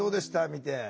見て。